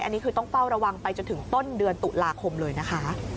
อันนี้คือต้องเฝ้าระวังไปจนถึงต้นเดือนตุลาคมเลยนะคะ